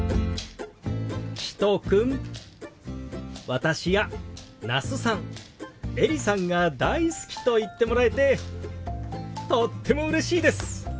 私や那須さんエリさんが大好きと言ってもらえてとってもうれしいです！